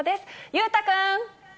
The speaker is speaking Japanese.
裕太君。